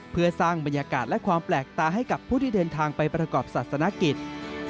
เพื่อสร้างบรรยากาศและความแปลกตาให้กับผู้ที่เดินทางไปประกอบศาสนกิจ